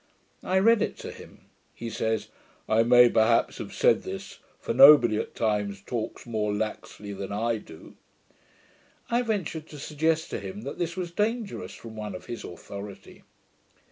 I read it to him. He said, 'I may, perhaps, have said this; for nobody, at times, talks more laxly than I do.' I ventured to suggest to him, that this was dangerous from one of his authority.